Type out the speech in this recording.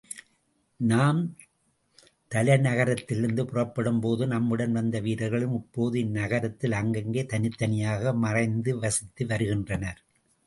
நாம் தலைநகரத்திலிருந்து புறப்படும்போது நம்முடன் வந்த வீரர்களும் இப்போது இந் நகரத்தில் அங்கங்கே தனித்தனியாக மறைந்து வசித்து வருகின்றனர்.